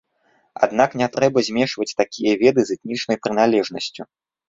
Аднак, не трэба змешваць такія веды з этнічнай прыналежнасцю.